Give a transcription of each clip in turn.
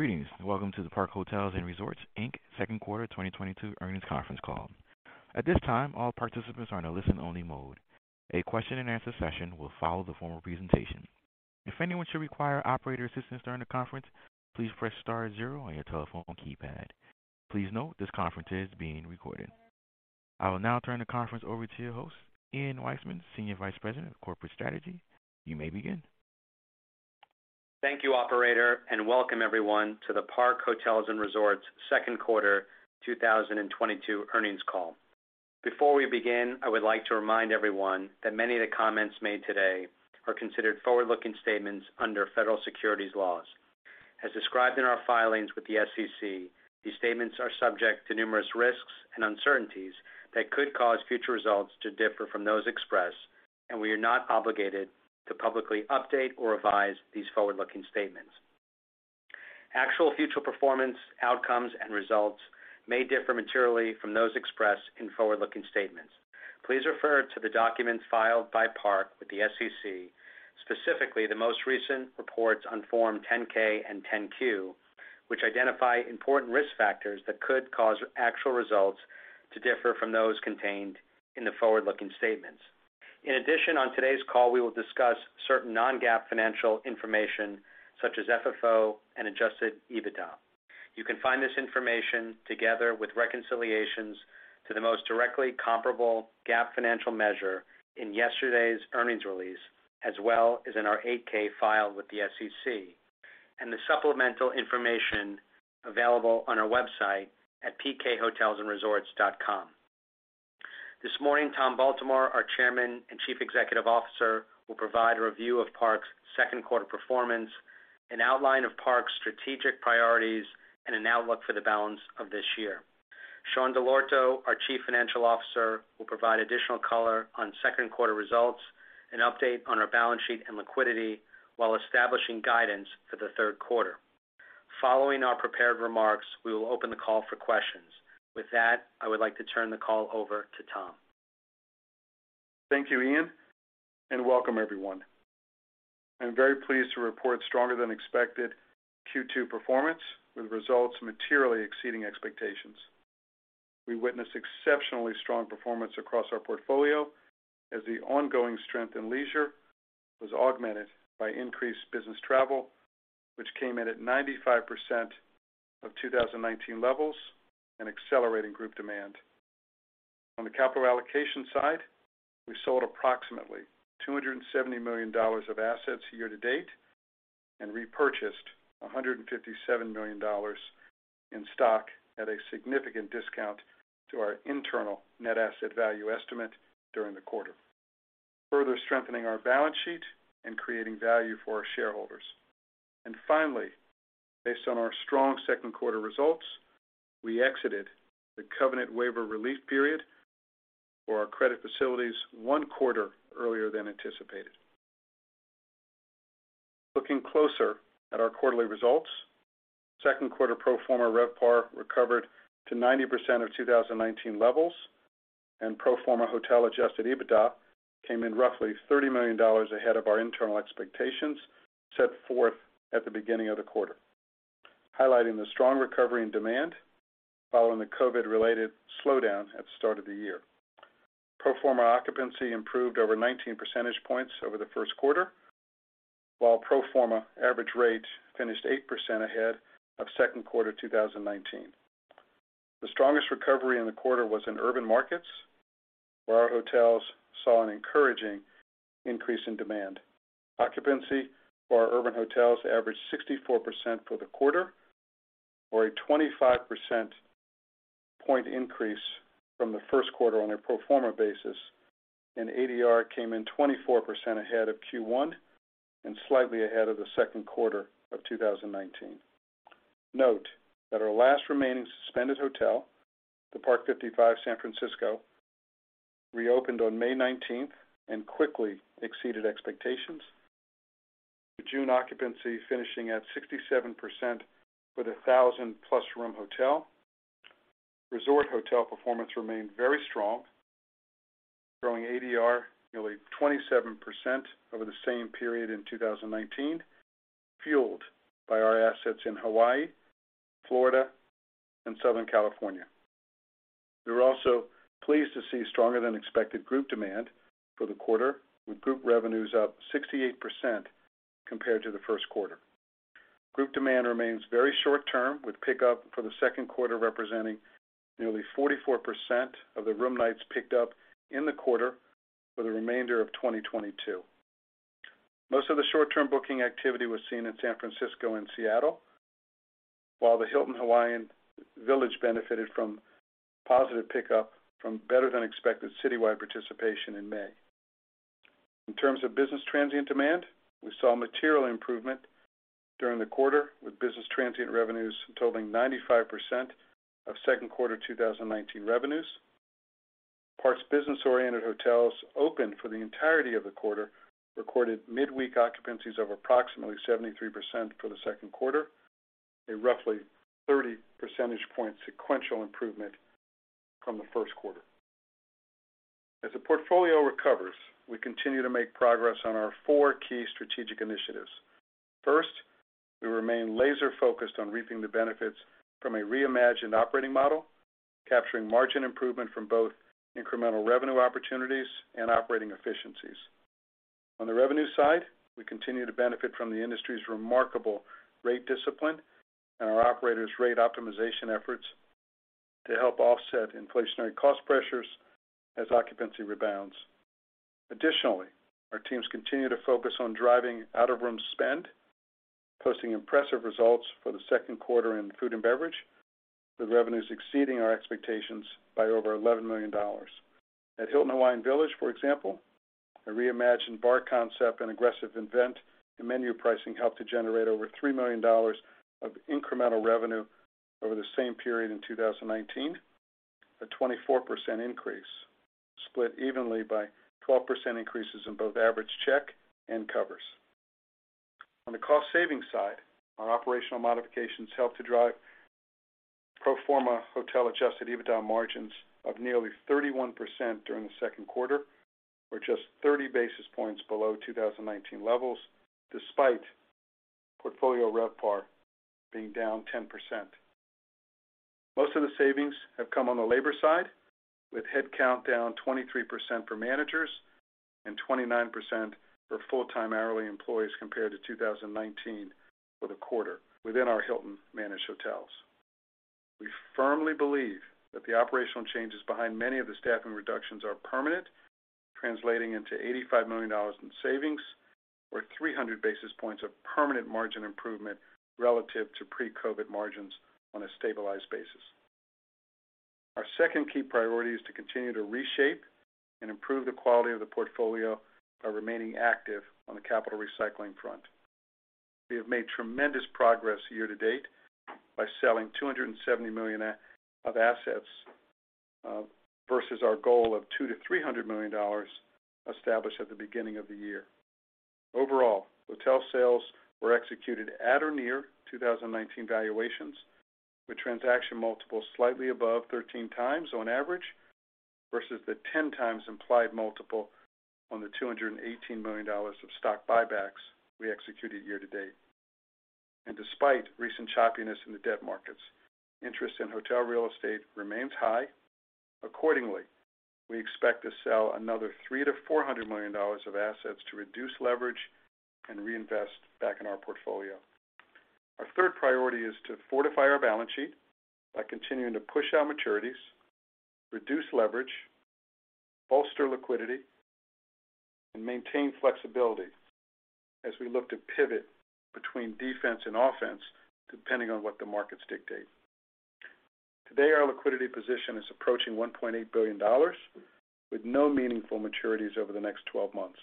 Greetings, welcome to the Park Hotels & Resorts Inc. Second Quarter 2022 Earnings Conference Call. At this time, all participants are on a listen-only mode. A question-and-answer session will follow the formal presentation. If anyone should require operator assistance during the conference, please press star zero on your telephone keypad. Please note this conference is being recorded. I will now turn the conference over to your host, Ian Weissman, Senior Vice President of Corporate Strategy. You may begin. Thank you, operator, and welcome everyone to the Park Hotels & Resorts Second Quarter 2022 Earnings Call. Before we begin, I would like to remind everyone that many of the comments made today are considered forward-looking statements under federal securities laws. As described in our filings with the SEC, these statements are subject to numerous risks and uncertainties that could cause future results to differ from those expressed, and we are not obligated to publicly update or revise these forward-looking statements. Actual future performance, outcomes, and results may differ materially from those expressed in forward-looking statements. Please refer to the documents filed by Park with the SEC, specifically the most recent reports on Form 10-K and 10-Q, which identify important risk factors that could cause actual results to differ from those contained in the forward-looking statements. In addition, on today's call, we will discuss certain non-GAAP financial information such as FFO and Adjusted EBITDA. You can find this information together with reconciliations to the most directly comparable GAAP financial measure in yesterday's earnings release, as well as in our 8-K filed with the SEC and the supplemental information available on our website at pkhotelsandresorts.com. This morning, Tom Baltimore, our Chairman and Chief Executive Officer, will provide a review of Park's second quarter performance, an outline of Park's strategic priorities, and an outlook for the balance of this year. Sean Dell'Orto, our Chief Financial Officer, will provide additional color on second quarter results, an update on our balance sheet and liquidity while establishing guidance for the third quarter. Following our prepared remarks, we will open the call for questions. With that, I would like to turn the call over to Tom. Thank you, Ian, and welcome everyone. I'm very pleased to report stronger than expected Q2 performance with results materially exceeding expectations. We witnessed exceptionally strong performance across our portfolio as the ongoing strength in leisure was augmented by increased business travel, which came in at 95% of 2019 levels and accelerating group demand. On the capital allocation side, we sold approximately $270 million of assets year to date and repurchased $157 million in stock at a significant discount to our internal net asset value estimate during the quarter, further strengthening our balance sheet and creating value for our shareholders. Finally, based on our strong second quarter results, we exited the covenant waiver relief period for our credit facilities one quarter earlier than anticipated. Looking closer at our quarterly results, second quarter pro forma RevPAR recovered to 90% of 2019 levels, and pro forma hotel adjusted EBITDA came in roughly $30 million ahead of our internal expectations set forth at the beginning of the quarter, highlighting the strong recovery in demand following the COVID-related slowdown at the start of the year. Pro forma occupancy improved over 19 percentage points over the first quarter, while pro forma average rate finished 8% ahead of second quarter 2019. The strongest recovery in the quarter was in urban markets, where our hotels saw an encouraging increase in demand. Occupancy for our urban hotels averaged 64% for the quarter or a 25% point increase from the first quarter on a pro forma basis, and ADR came in 24% ahead of Q1 and slightly ahead of the second quarter of 2019. Note that our last remaining suspended hotel, the Parc 55 San Francisco, reopened on May 19 and quickly exceeded expectations, with June occupancy finishing at 67% for the 1,000+ room hotel. Resort hotel performance remained very strong, growing ADR nearly 27% over the same period in 2019, fueled by our assets in Hawaii, Florida, and Southern California. We were also pleased to see stronger than expected group demand for the quarter, with group revenues up 68% compared to the first quarter. Group demand remains very short-term, with pickup for the second quarter representing nearly 44% of the room nights picked up in the quarter for the remainder of 2022. Most of the short-term booking activity was seen in San Francisco and Seattle, while the Hilton Hawaiian Village benefited from positive pickup from better than expected citywide participation in May. In terms of business transient demand, we saw material improvement during the quarter, with business transient revenues totaling 95% of second quarter 2019 revenues. Park's business-oriented hotels opened for the entirety of the quarter, recorded midweek occupancies of approximately 73% for the second quarter, a roughly 30 percentage point sequential improvement from the first quarter. As the portfolio recovers, we continue to make progress on our four key strategic initiatives. First, we remain laser-focused on reaping the benefits from a reimagined operating model, capturing margin improvement from both incremental revenue opportunities and operating efficiencies. On the revenue side, we continue to benefit from the industry's remarkable rate discipline and our operators' rate optimization efforts to help offset inflationary cost pressures as occupancy rebounds. Additionally, our teams continue to focus on driving out-of-room spend, posting impressive results for the second quarter in food and beverage, with revenues exceeding our expectations by over $11 million. At Hilton Hawaiian Village, for example, a reimagined bar concept and aggressive invent and menu pricing helped to generate over $3 million of incremental revenue over the same period in 2019, a 24% increase, split evenly by 12% increases in both average check and covers. On the cost savings side, our operational modifications helped to drive pro forma hotel adjusted EBITDA margins of nearly 31% during the second quarter or just 30 basis points below 2019 levels, despite portfolio RevPAR being down 10%. Most of the savings have come on the labor side, with headcount down 23% for managers and 29% for full-time hourly employees compared to 2019 for the quarter within our Hilton managed hotels. We firmly believe that the operational changes behind many of the staffing reductions are permanent, translating into $85 million in savings or 300 basis points of permanent margin improvement relative to pre-COVID margins on a stabilized basis. Our second key priority is to continue to reshape and improve the quality of the portfolio by remaining active on the capital recycling front. We have made tremendous progress year to date by selling $270 million of assets versus our goal of $200 million-$300 million established at the beginning of the year. Overall, hotel sales were executed at or near 2019 valuations, with transaction multiples slightly above 13x on average, versus the 10x implied multiple on the $218 million of stock buybacks we executed year to date. Despite recent choppiness in the debt markets, interest in hotel real estate remains high. Accordingly, we expect to sell another $300 million-$400 million of assets to reduce leverage and reinvest back in our portfolio. Our third priority is to fortify our balance sheet by continuing to push out maturities, reduce leverage, bolster liquidity, and maintain flexibility as we look to pivot between defense and offense, depending on what the markets dictate. Today, our liquidity position is approaching $1.8 billion with no meaningful maturities over the next 12 months.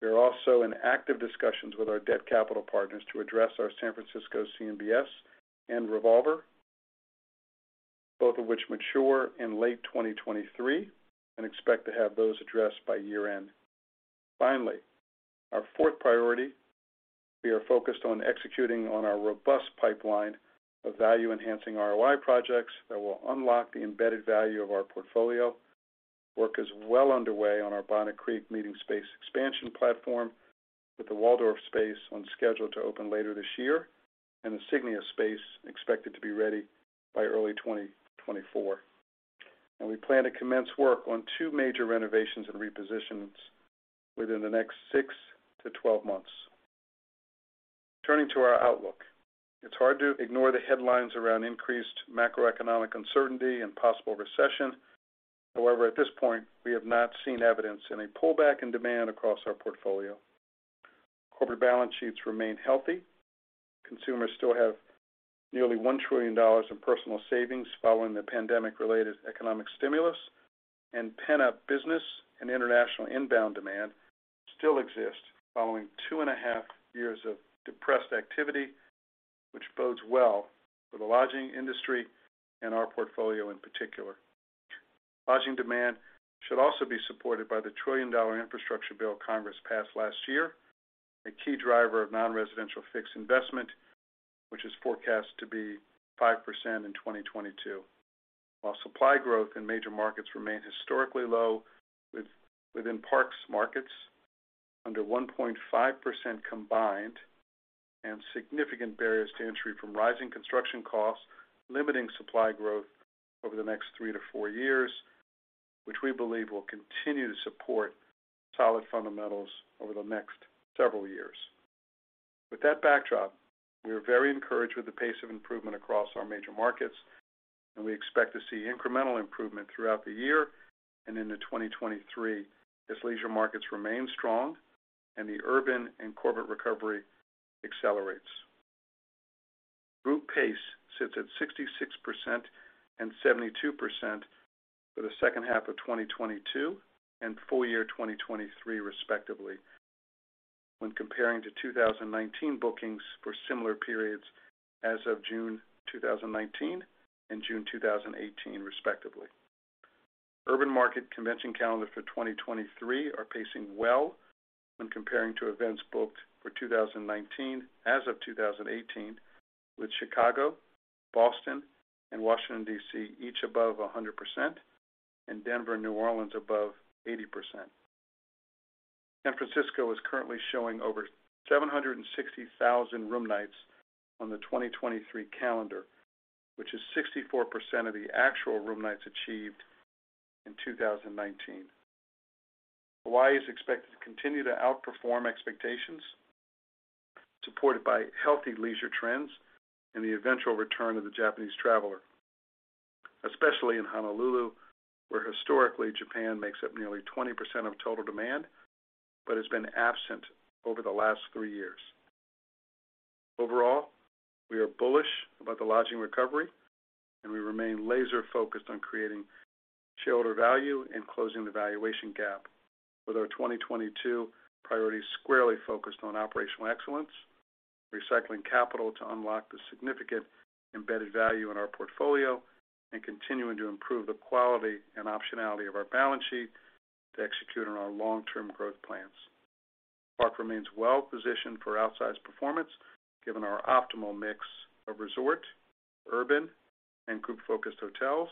We are also in active discussions with our debt capital partners to address our San Francisco CMBS and revolver, both of which mature in late 2023, and expect to have those addressed by year-end. Finally, our fourth priority, we are focused on executing on our robust pipeline of value-enhancing ROI projects that will unlock the embedded value of our portfolio. Work is well underway on our Bonnet Creek meeting space expansion platform, with the Waldorf space on schedule to open later this year and the Signia space expected to be ready by early 2024. We plan to commence work on two major renovations and repositions within the next six to 12 months. Turning to our outlook, it's hard to ignore the headlines around increased macroeconomic uncertainty and possible recession. However, at this point, we have not seen evidence in a pullback in demand across our portfolio. Corporate balance sheets remain healthy. Consumers still have nearly $1 trillion in personal savings following the pandemic-related economic stimulus, and pent-up business and international inbound demand still exist following two and a half years of depressed activity, which bodes well for the lodging industry and our portfolio in particular. Lodging demand should also be supported by the trillion-dollar infrastructure bill Congress passed last year, a key driver of non-residential fixed investment, which is forecast to be 5% in 2022. While supply growth in major markets remains historically low within Park's markets under 1.5% combined and significant barriers to entry from rising construction costs, limiting supply growth over the next three to four years, which we believe will continue to support solid fundamentals over the next several years. With that backdrop, we are very encouraged with the pace of improvement across our major markets, and we expect to see incremental improvement throughout the year and into 2023 as leisure markets remain strong and the urban and corporate recovery accelerates. Group pace sits at 66% and 72% for the second half of 2022 and full year 2023 respectively when comparing to 2019 bookings for similar periods as of June 2019 and June 2018 respectively. Urban market convention calendar for 2023 are pacing well. When comparing to events booked for 2019 as of 2018, with Chicago, Boston, and Washington, D.C., each above 100%, and Denver and New Orleans above 80%. San Francisco is currently showing over 760,000 room nights on the 2023 calendar, which is 64% of the actual room nights achieved in 2019. Hawaii is expected to continue to outperform expectations, supported by healthy leisure trends and the eventual return of the Japanese traveler, especially in Honolulu, where historically Japan makes up nearly 20% of total demand but has been absent over the last three years. Overall, we are bullish about the lodging recovery, and we remain laser-focused on creating shareholder value and closing the valuation gap with our 2022 priorities squarely focused on operational excellence, recycling capital to unlock the significant embedded value in our portfolio, and continuing to improve the quality and optionality of our balance sheet to execute on our long-term growth plans. Park remains well-positioned for outsized performance given our optimal mix of resort, urban, and group-focused hotels,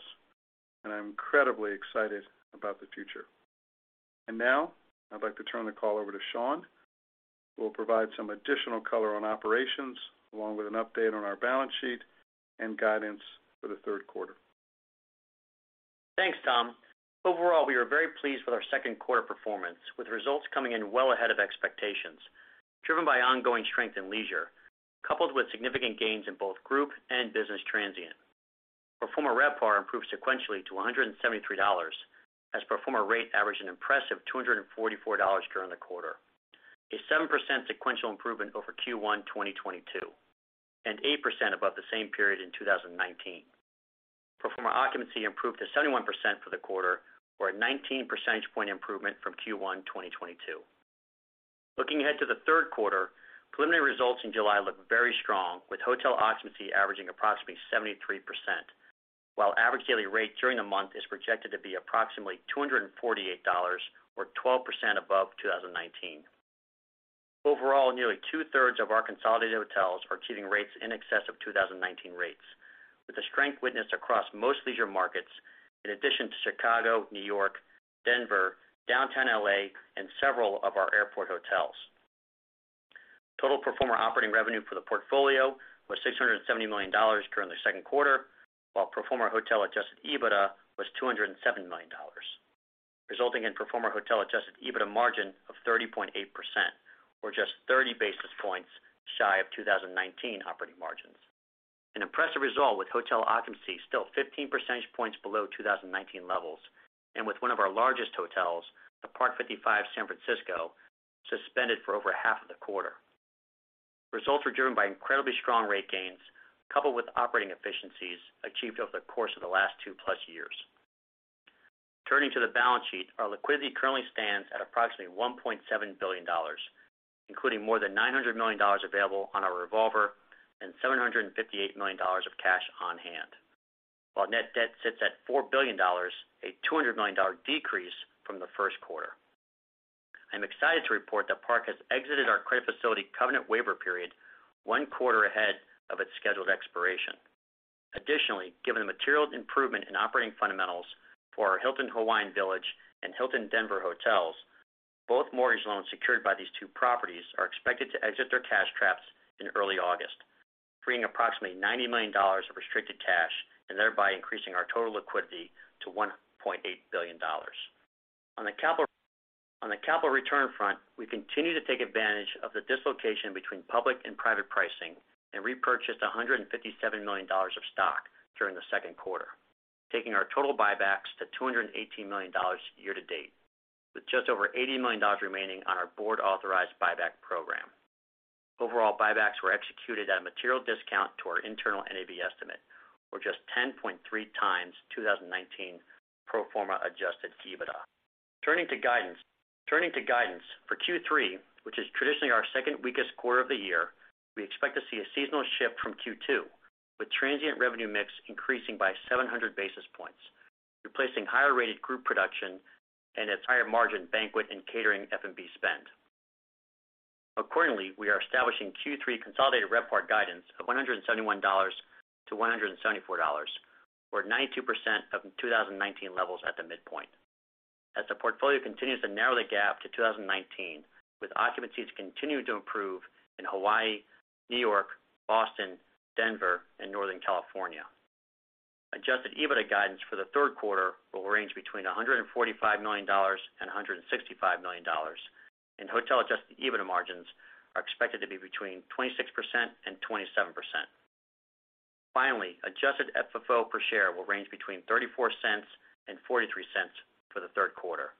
and I'm incredibly excited about the future. Now I'd like to turn the call over to Sean, who will provide some additional color on operations along with an update on our balance sheet and guidance for the third quarter. Thanks, Tom. Overall, we are very pleased with our second quarter performance, with results coming in well ahead of expectations, driven by ongoing strength in leisure, coupled with significant gains in both group and business transient. Pro forma RevPAR improved sequentially to $173, as pro forma rate averaged an impressive $244 during the quarter, a 7% sequential improvement over Q1 2022, and 8% above the same period in 2019. Pro forma occupancy improved to 71% for the quarter, or a 19 percentage point improvement from Q1 2022. Looking ahead to the third quarter, preliminary results in July look very strong, with hotel occupancy averaging approximately 73%, while average daily rate during the month is projected to be approximately $248 or 12% above 2019. Overall, nearly 2/3 of our consolidated hotels are achieving rates in excess of 2019 rates, with the strength witnessed across most leisure markets in addition to Chicago, New York, Denver, Downtown L.A., and several of our airport hotels. Total pro forma operating revenue for the portfolio was $670 million during the second quarter, while pro forma hotel adjusted EBITDA was $207 million, resulting in pro forma hotel adjusted EBITDA margin of 30.8%, or just 30 basis points shy of 2019 operating margins. An impressive result with hotel occupancy still 15 percentage points below 2019 levels, and with one of our largest hotels, the Parc 55 San Francisco, suspended for over half of the quarter. Results were driven by incredibly strong rate gains, coupled with operating efficiencies achieved over the course of the last two-plus years. Turning to the balance sheet, our liquidity currently stands at approximately $1.7 billion, including more than $900 million available on our revolver and $758 million of cash on hand, while net debt sits at $4 billion, a $200 million decrease from the first quarter. I'm excited to report that Park has exited our credit facility covenant waiver period one quarter ahead of its scheduled expiration. Additionally, given the material improvement in operating fundamentals for our Hilton Hawaiian Village and Hilton Denver hotels, both mortgage loans secured by these two properties are expected to exit their cash traps in early August, freeing approximately $90 million of restricted cash and thereby increasing our total liquidity to $1.8 billion. On the capital return front, we continue to take advantage of the dislocation between public and private pricing and repurchased $157 million of stock during the second quarter, taking our total buybacks to $218 million year to date, with just over $80 million remaining on our board-authorized buyback program. Overall, buybacks were executed at a material discount to our internal NAV estimate, or just 10.3x 2019 pro forma adjusted EBITDA. Turning to guidance for Q3, which is traditionally our second weakest quarter of the year, we expect to see a seasonal shift from Q2, with transient revenue mix increasing by 700 basis points, replacing higher-rated group production and its higher margin banquet and catering F&B spend. Accordingly, we are establishing Q3 consolidated RevPAR guidance of $171-$174, or 92% of 2019 levels at the midpoint. As the portfolio continues to narrow the gap to 2019, with occupancies continuing to improve in Hawaii, New York, Boston, Denver, and Northern California. Adjusted EBITDA guidance for the third quarter will range between $145 million and $165 million, and hotel adjusted EBITDA margins are expected to be between 26% and 27%. Finally, Adjusted FFO per share will range between $0.34 and $0.43 for the third quarter.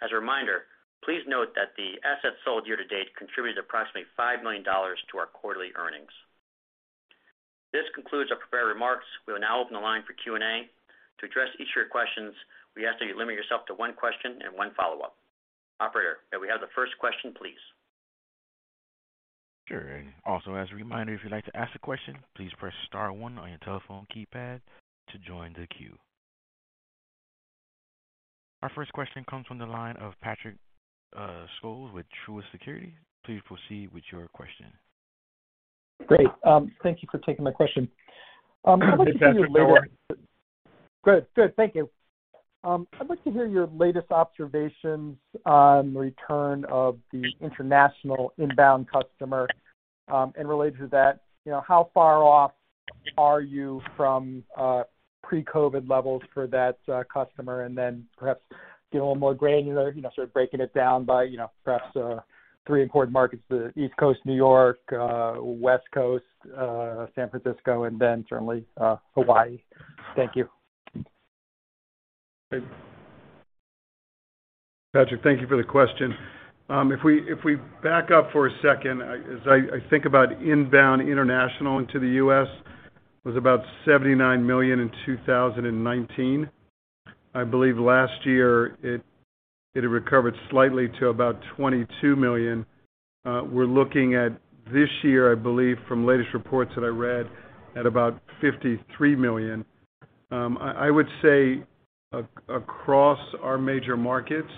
As a reminder, please note that the assets sold year to date contributed approximately $5 million to our quarterly earnings. This concludes our prepared remarks. We will now open the line for Q&A. To address each of your questions, we ask that you limit yourself to one question and one follow-up. Operator, may we have the first question, please? Sure. Also as a reminder, if you'd like to ask a question, please press star one on your telephone keypad to join the queue. Our first question comes from the line of Patrick Scholes with Truist Securities. Please proceed with your question. Great. Thank you for taking my question. I'd like to hear your latest. Hey, Patrick. No worries. Good. Thank you. I'd like to hear your latest observations on return of the international inbound customer, and related to that, you know, how far off are you from pre-COVID levels for that customer and then perhaps get a little more granular, you know, sort of breaking it down by, you know, perhaps three important markets, the East Coast, New York, West Coast, San Francisco, and then certainly Hawaii. Thank you. Patrick, thank you for the question. If we back up for a second, as I think about inbound international into the U.S. was about $79 million in 2019. I believe last year it recovered slightly to about $22 million. We're looking at this year, I believe from latest reports that I read at about $53 million. I would say across our major markets,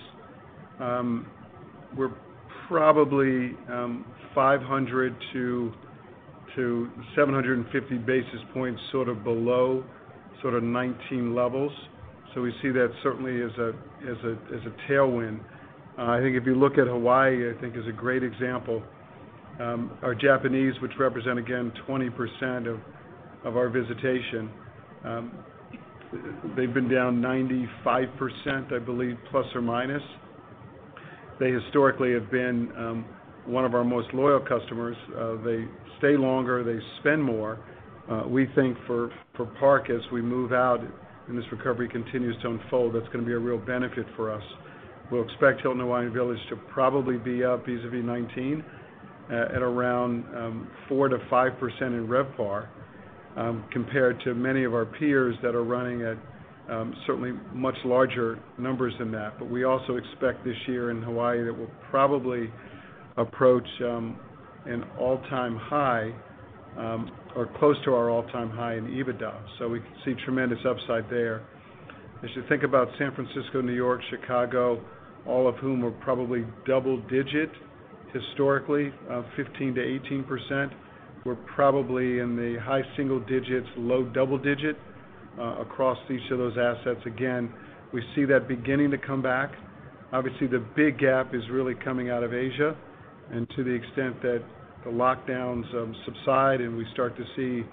we're probably 500 to 750 basis points sort of below sort of 2019 levels. We see that certainly as a tailwind. I think if you look at Hawaii, it is a great example. Our Japanese, which represent again 20% of our visitation, they've been down 95%, I believe, plus or minus. They historically have been one of our most loyal customers. They stay longer, they spend more. We think for Park as we move out and this recovery continues to unfold, that's going to be a real benefit for us. We'll expect Hilton Hawaiian Village to probably be up vis-à-vis 2019 at around 4%-5% in RevPAR, compared to many of our peers that are running at certainly much larger numbers than that. We also expect this year in Hawaii that we'll probably approach an all-time high or close to our all-time high in EBITDA. We see tremendous upside there. As you think about San Francisco, New York, Chicago, all of whom were probably double digit historically, 15%-18%, we're probably in the high single digits, low double digit across each of those assets. Again, we see that beginning to come back. Obviously, the big gap is really coming out of Asia. To the extent that the lockdowns subside and we start to see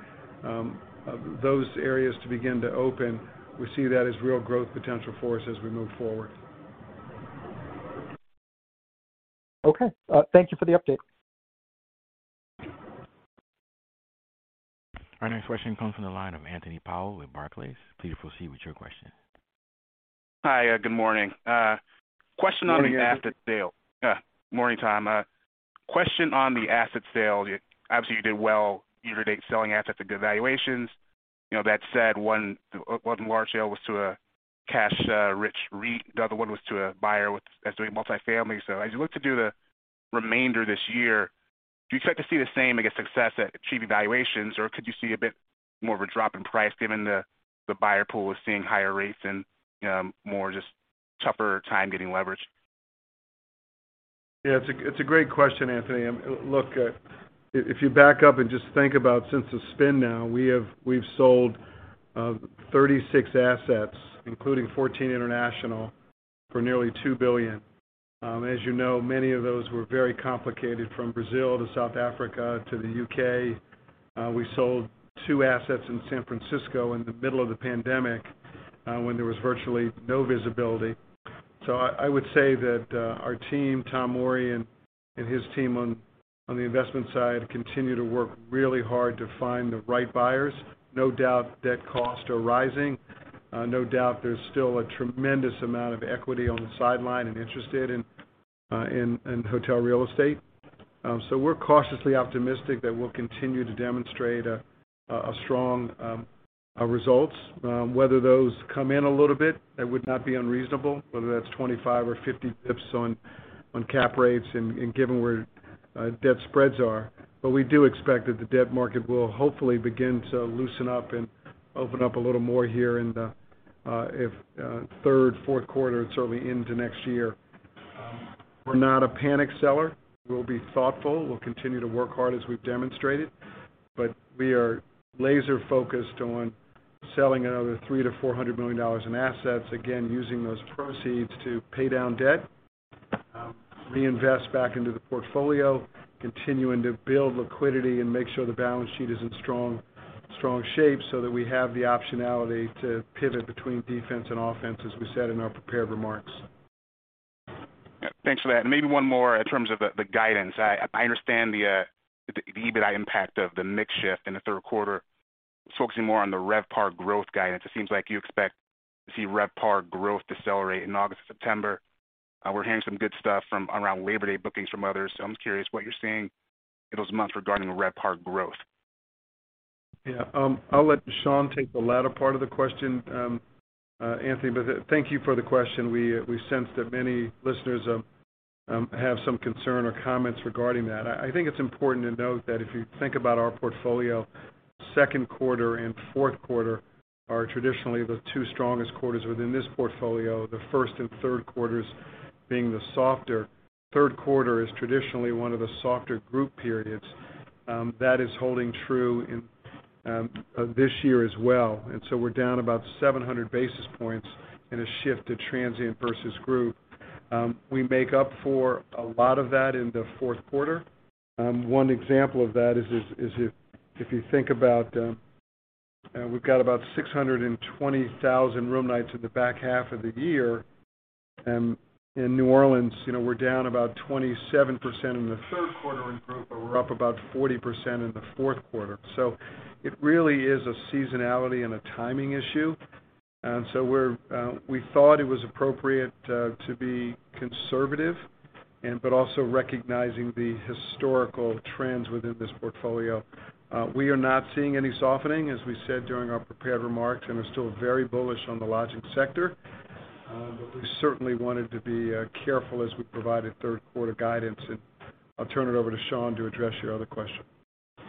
those areas to begin to open, we see that as real growth potential for us as we move forward. Okay. Thank you for the update. Our next question comes from the line of Anthony Powell with Barclays. Please proceed with your question. Hi. Good morning. Question on the asset sale. Good morning. Morning, Tom. Question on the asset sale. Obviously, you did well year to date selling assets at good valuations. You know, that said, one large sale was to a cash-rich REIT. The other one was to a buyer that's doing multi-family. As you look to do the remainder this year, do you expect to see the same, I guess, success at achieving valuations, or could you see a bit more of a drop in price given the buyer pool is seeing higher rates and more just tougher time getting leverage? Yeah, it's a great question, Anthony. Look, if you back up and just think about since the spin now, we've sold 36 assets, including 14 international, for nearly $2 billion. As you know, many of those were very complicated, from Brazil to South Africa to the UK. We sold two assets in San Francisco in the middle of the pandemic, when there was virtually no visibility. I would say that our team, Tom Ori and his team on the investment side, continue to work really hard to find the right buyers. No doubt debt costs are rising. No doubt there's still a tremendous amount of equity on the sideline and interested in hotel real estate. We're cautiously optimistic that we'll continue to demonstrate a strong results. Whether those come in a little bit, that would not be unreasonable, whether that's 25 or 50 dips on cap rates and given where debt spreads are. We do expect that the debt market will hopefully begin to loosen up and open up a little more here in the third, fourth quarter and certainly into next year. We're not a panic seller. We'll be thoughtful. We'll continue to work hard as we've demonstrated, but we are laser focused on selling another $300 million-$400 million in assets, again, using those proceeds to pay down debt, reinvest back into the portfolio, continuing to build liquidity and make sure the balance sheet is in strong shape so that we have the optionality to pivot between defense and offense, as we said in our prepared remarks. Thanks for that. Maybe one more in terms of the guidance. I understand the EBITDA impact of the mix shift in the third quarter. Focusing more on the RevPAR growth guidance, it seems like you expect to see RevPAR growth decelerate in August, September. We're hearing some good stuff from around Labor Day bookings from others. I'm curious what you're seeing in those months regarding RevPAR growth. Yeah. I'll let Sean take the latter part of the question, Anthony, but thank you for the question. We sense that many listeners have some concern or comments regarding that. I think it's important to note that if you think about our portfolio, second quarter and fourth quarter are traditionally the two strongest quarters within this portfolio, the first and third quarters being the softer. Third quarter is traditionally one of the softer group periods. That is holding true in this year as well. We're down about 700 basis points in a shift to transient versus group. We make up for a lot of that in the fourth quarter. One example of that is if you think about, we've got about 620,000 room nights in the back half of the year. In New Orleans, you know, we're down about 27% in the third quarter in group, but we're up about 40% in the fourth quarter. It really is a seasonality and a timing issue. We thought it was appropriate to be conservative, but also recognizing the historical trends within this portfolio. We are not seeing any softening, as we said during our prepared remarks, and are still very bullish on the lodging sector. We certainly wanted to be careful as we provided third quarter guidance. I'll turn it over to Sean to address your other question.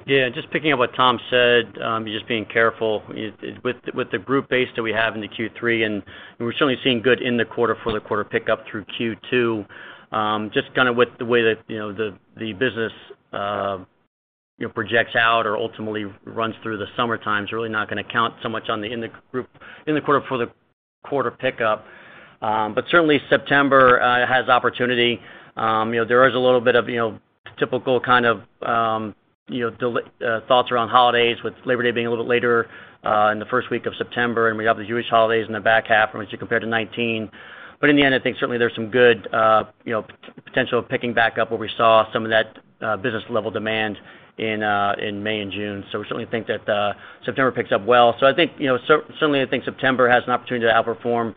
Yeah, just picking up what Tom said, just being careful with the group base that we have in the Q3, and we're certainly seeing group in the quarter for the group pickup through Q2. Just kind of with the way that, you know, the business, you know, projects out or ultimately runs through the summertime. Really not gonna count so much on the group in the quarter for the group pickup. Certainly September has opportunity. You know, there is a little bit of, you know, typical kind of thoughts around holidays, with Labor Day being a little bit later in the first week of September, and we have the Jewish holidays in the back half from which you compare to 2019. In the end, I think certainly there's some good, you know, potential of picking back up where we saw some of that business level demand in May and June. We certainly think that September picks up well. I think, you know, certainly, I think September has an opportunity to outperform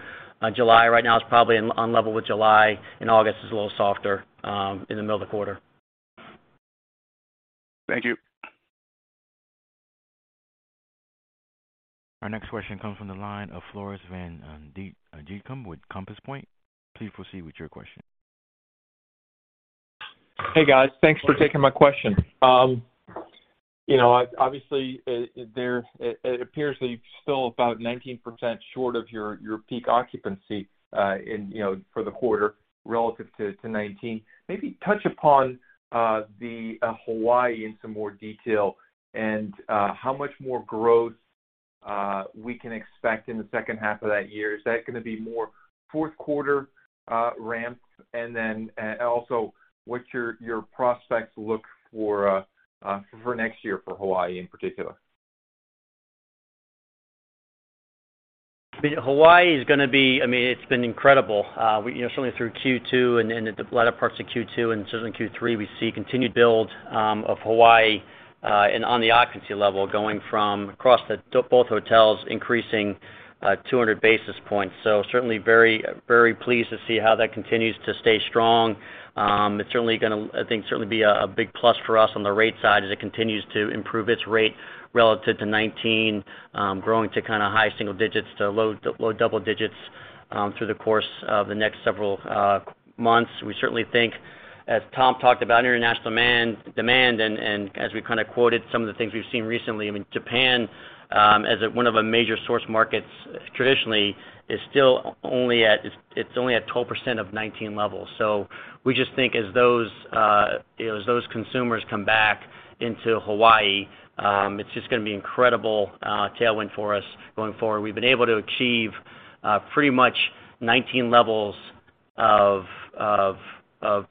July. Right now it's probably on level with July, and August is a little softer in the middle of the quarter. Thank you. Our next question comes from the line of Floris van Dijkum with Compass Point. Please proceed with your question. Hey, guys. Thanks for taking my question. You know, obviously, it appears that you're still about 19% short of your peak occupancy for the quarter relative to 2019. Maybe touch upon Hawaii in some more detail and how much more growth we can expect in the second half of that year. Is that gonna be more fourth quarter ramp? And then also, what's your prospects look for next year for Hawaii in particular? Hawaii is gonna be. I mean, it's been incredible. We, you know, certainly through Q2 and the latter parts of Q2 and certainly Q3, we see continued build of Hawaii and on the occupancy level, going from across both hotels increasing 200 basis points. Certainly very, very pleased to see how that continues to stay strong. It's certainly gonna, I think, certainly be a big plus for us on the rate side as it continues to improve its rate relative to 2019, growing to kind of high single digits to low double digits through the course of the next several months. We certainly think, as Tom talked about, international demand, and as we kind of quoted some of the things we've seen recently, I mean, Japan, as one of the major source markets traditionally, is still only at 12% of 2019 levels. We just think as those, you know, as those consumers come back into Hawaii, it's just gonna be incredible tailwind for us going forward. We've been able to achieve pretty much 2019 levels of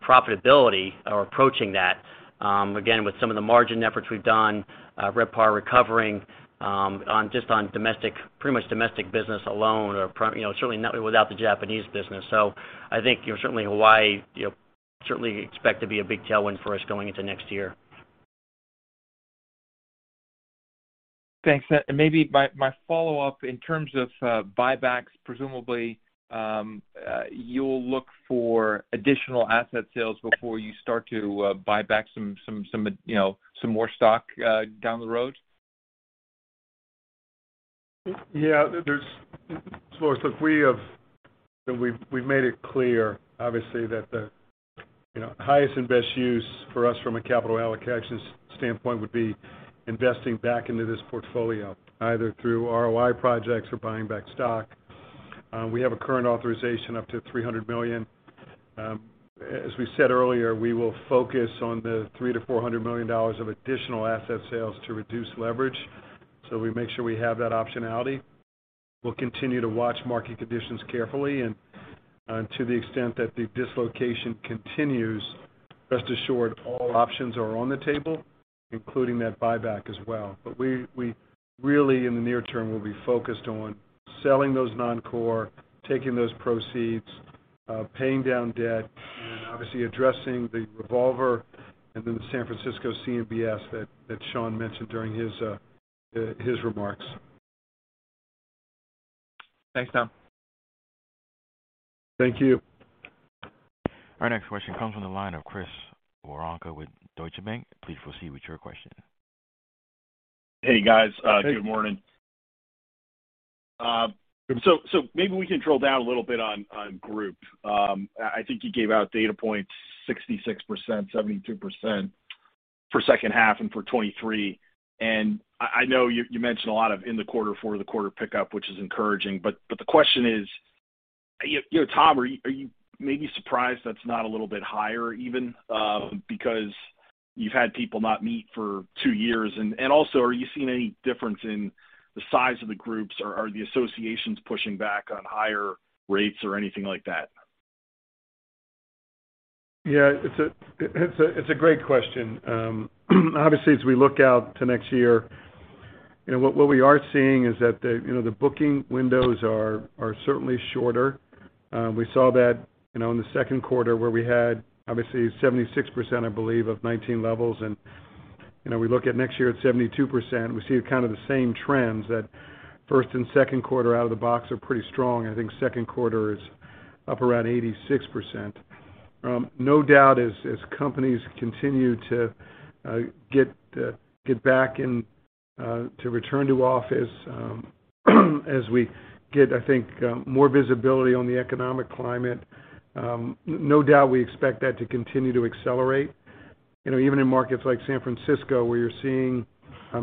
profitability or approaching that, again, with some of the margin efforts we've done, RevPAR recovering, on just domestic, pretty much domestic business alone or you know, certainly not without the Japanese business. I think, you know, certainly Hawaii, you know, certainly expect to be a big tailwind for us going into next year. Thanks. Maybe my follow-up in terms of buybacks, presumably, you'll look for additional asset sales before you start to buy back some you know some more stock down the road? Yeah. Floris, look, we have, you know, we've made it clear, obviously, that, you know, highest and best use for us from a capital allocations standpoint would be investing back into this portfolio, either through ROI projects or buying back stock. We have a current authorization up to $300 million. As we said earlier, we will focus on the $300 million-$400 million of additional asset sales to reduce leverage. We make sure we have that optionality. We'll continue to watch market conditions carefully. To the extent that the dislocation continues, rest assured all options are on the table, including that buyback as well. We really, in the near term, will be focused on selling those non-core, taking those proceeds, paying down debt, and then obviously addressing the revolver and then the San Francisco CMBS that Sean mentioned during his remarks. Thanks, Tom. Thank you. Our next question comes from the line of Chris Woronka with Deutsche Bank. Please proceed with your question. Hey, guys. Good morning. Maybe we can drill down a little bit on group. I think you gave out data points 66%, 72% for second half and for 2023. I know you mentioned a lot of it in the fourth quarter pickup, which is encouraging. The question is, you know, Tom, are you maybe surprised that's not a little bit higher even, because you've had people not meet for two years? Also, are you seeing any difference in the size of the groups or are the associations pushing back on higher rates or anything like that? Yeah, it's a great question. Obviously, as we look out to next year, you know, what we are seeing is that the booking windows are certainly shorter. We saw that in the second quarter where we had obviously 76%, I believe, of 2019 levels. We look at next year at 72%. We see kind of the same trends that first and second quarter out of the box are pretty strong. I think second quarter is up around 86%. No doubt, as companies continue to get back in to return to office, as we get, I think, more visibility on the economic climate, no doubt we expect that to continue to accelerate. You know, even in markets like San Francisco, where you're seeing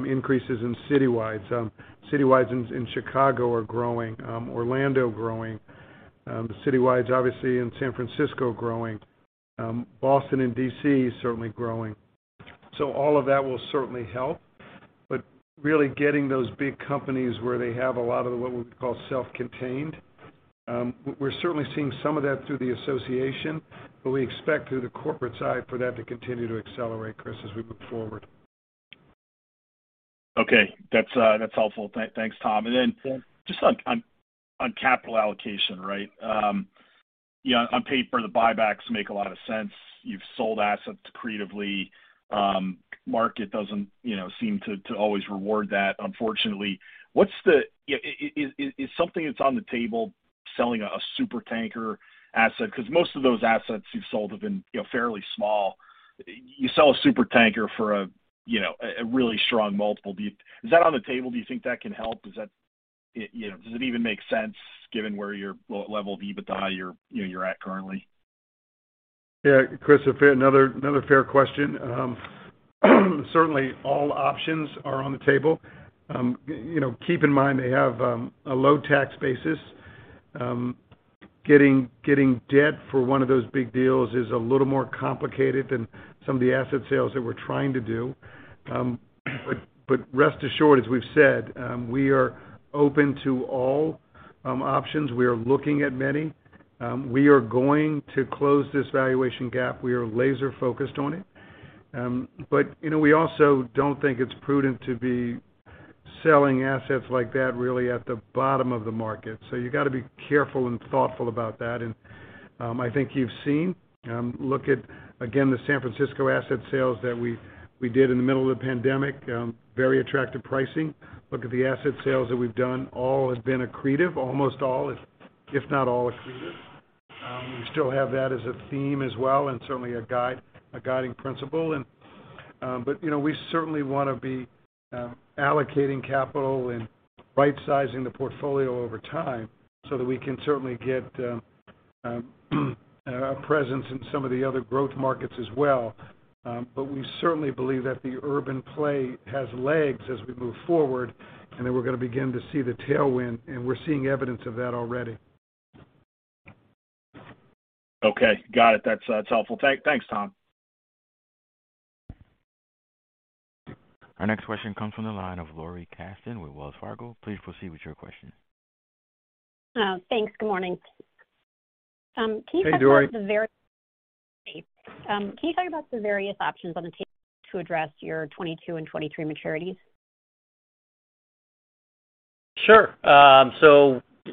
increases in citywide. Some citywides in Chicago are growing, Orlando growing. The citywides obviously in San Francisco growing, Boston and D.C. certainly growing. All of that will certainly help. Really getting those big companies where they have a lot of what we call self-contained, we're certainly seeing some of that through the association, but we expect through the corporate side for that to continue to accelerate, Chris, as we look forward. Okay. That's helpful. Thanks, Tom. Just on capital allocation, right? You know, on paper, the buybacks make a lot of sense. You've sold assets creatively. Market doesn't you know seem to always reward that, unfortunately. Is something that's on the table selling a supertanker asset? Because most of those assets you've sold have been you know fairly small. You sell a supertanker for a you know a really strong multiple. Is that on the table? Do you think that can help? You know, does it even make sense given where your level of EBITDA you're you know you're at currently? Yeah. Chris, another fair question. Certainly all options are on the table. You know, keep in mind they have a low tax basis. Getting debt for one of those big deals is a little more complicated than some of the asset sales that we're trying to do. Rest assured, as we've said, we are open to all options. We are looking at many. We are going to close this valuation gap. We are laser focused on it. You know, we also don't think it's prudent to be selling assets like that really at the bottom of the market. You got to be careful and thoughtful about that. I think you've seen, look at, again, the San Francisco asset sales that we did in the middle of the pandemic, very attractive pricing. Look at the asset sales that we've done. All have been accretive, almost all, if not all accretive. We still have that as a theme as well and certainly a guide, a guiding principle. You know, we certainly want to be allocating capital and right sizing the portfolio over time so that we can certainly get a presence in some of the other growth markets as well. We certainly believe that the urban play has legs as we move forward, and that we're going to begin to see the tailwind, and we're seeing evidence of that already. Okay. Got it. That's helpful. Thanks, Tom. Our next question comes from the line of Dori Kesten with Wells Fargo. Please proceed with your question. Thanks. Good morning. Can you talk about the- Hey, Dori. Can you talk about the various options on the table to address your 2022 and 2023 maturities? Sure.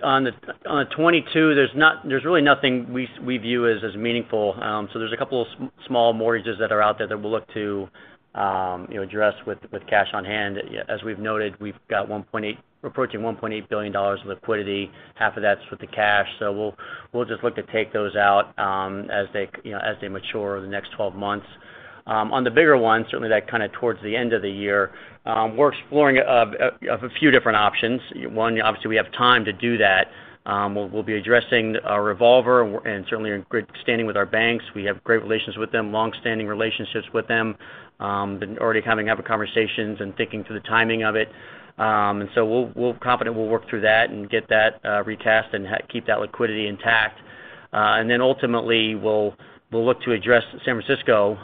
On the 2022, there's really nothing we view as meaningful. There's a couple of small mortgages that are out there that we'll look to, you know, address with cash on hand. As we've noted, we've got $1.8 billion of liquidity. We're approaching $1.8 billion of liquidity. Half of that's with the cash. We'll just look to take those out as they, you know, as they mature over the next 12 months. On the bigger ones, certainly that kind of towards the end of the year, we're exploring a few different options. One, obviously, we have time to do that. We'll be addressing a revolver and certainly in good standing with our banks. We have great relations with them, long-standing relationships with them. Been already having conversations and thinking through the timing of it. We're confident we'll work through that and get that retest and keep that liquidity intact. Ultimately, we'll look to address San Francisco.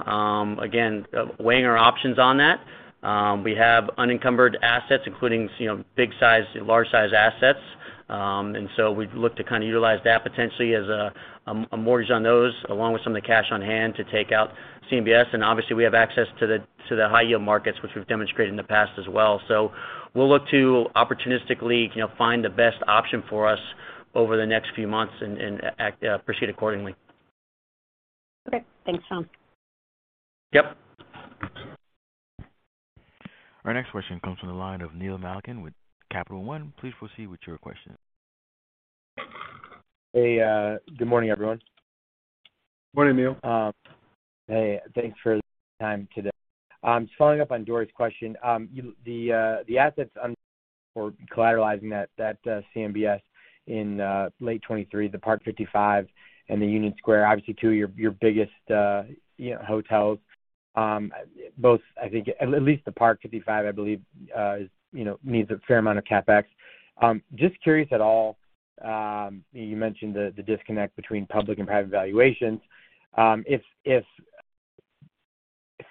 Again, weighing our options on that. We have unencumbered assets, including, you know, big size, large size assets. We'd look to kinda utilize that potentially as a mortgage on those, along with some of the cash on hand to take out CMBS. Obviously, we have access to the high yield markets, which we've demonstrated in the past as well. We'll look to opportunistically, you know, find the best option for us over the next few months and act proceed accordingly. Okay. Thanks, Sean. Yep. Our next question comes from the line of Neil Malkin with Capital One. Please proceed with your question. Hey, good morning, everyone. Morning, Neil. Hey, thanks for your time today. Just following up on Floris's question. The assets up for collateralizing that CMBS in late 2023, the Parc 55 and the Union Square, obviously, two of your biggest, you know, hotels, both, I think, at least the Parc 55, I believe, is, you know, needs a fair amount of CapEx. Just curious, you mentioned the disconnect between public and private valuations. If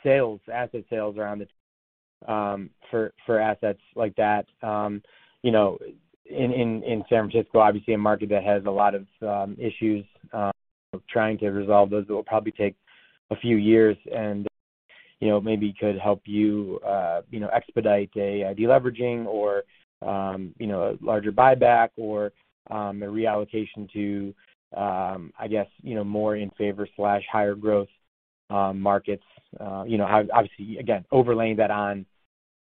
sales, asset sales around the for assets like that, you know, in San Francisco, obviously a market that has a lot of issues trying to resolve those, it will probably take a few years and, you know, maybe could help you know, expedite a de-leveraging or, you know, a larger buyback or a reallocation to, I guess, you know, more favorable, higher growth markets, you know, how, obviously, again, overlaying that on